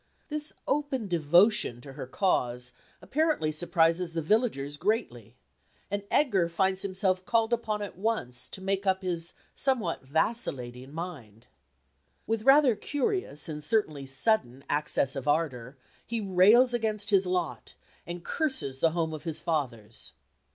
This open devotion to her cause apparently surprises the villagers greatly, and Edgar finds himself called upon at once to make up his somewhat vacillating mind. With rather curious and certainly sudden access of ardour, he rails against his lot, and curses the home of his fathers.